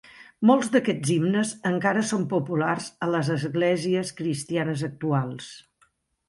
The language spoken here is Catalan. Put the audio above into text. Molts d'aquests himnes encara són populars a les esglésies cristianes actuals.